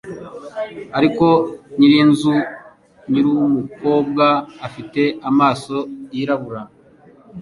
Ariko nyirinzu nyir'umukobwa ufite amaso yirabura